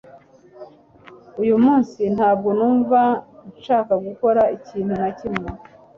Uyu munsi ntabwo numva nshaka gukora ikintu na kimwe